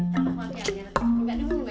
kalau pakai diunggah ke dalam apa